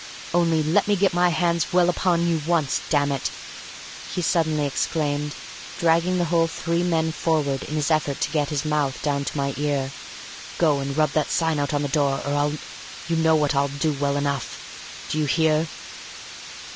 "Only let me get my hand well upon you once Damn it!" he suddenly exclaimed, dragging the whole three men forward in his effort to get his mouth down to my ear, "go and rub that sign out on the door or I'll you know what I'll do well enough. Do you hear?"